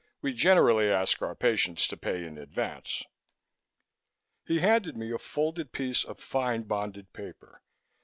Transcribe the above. "We generally ask our patients to pay in advance." He handed me a folded piece of fine bonded paper.